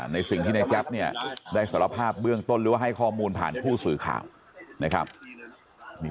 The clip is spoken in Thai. ในสิ่งที่ในแจ๊บเนี่ยได้สารภาพเบื้องต้นหรือว่าให้ข้อมูลผ่านผู้สื่อข่าวนะครับ